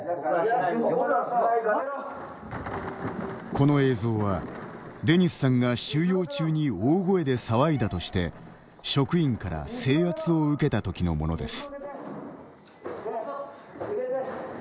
この映像は、デニスさんが収容中に大声で騒いだとして職員から制圧を受けた時のものです。